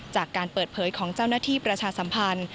จากการเปิดเผยของเจ้าหน้าที่ประชาสัมพันธ์